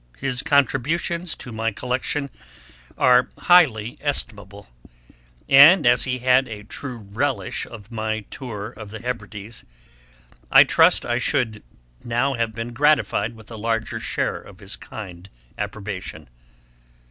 His contributions to my Collection are highly estimable; and as he had a true relish of my Tour to the Hebrides, I trust I should now have been gratified with a larger share of his kind approbation.